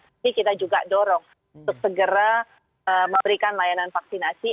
jadi kita juga dorong untuk segera memberikan layanan vaksinasi